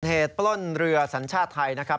ปล้นเรือสัญชาติไทยนะครับ